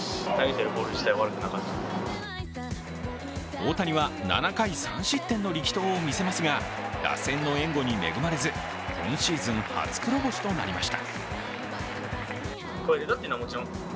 大谷は７回３失点の力投を見せますが、打線の援護に恵まれず今シーズン初黒星となりました。